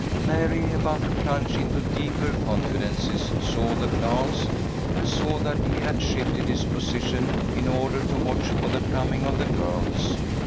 Mary, about to plunge into deeper confidences, saw the glance, and saw that he had shifted his position in order to watch for the coming of the girls.